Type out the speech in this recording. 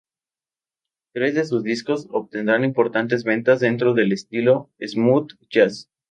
Tres de sus discos, obtendrán importantes ventas, dentro del estilo smooth jazz.